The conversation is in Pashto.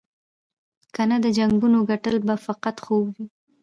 کنه د جنګونو ګټل به فقط خوب وي.